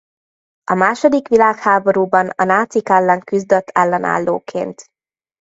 A második világháborúban a nácik ellen küzdött ellenállóként.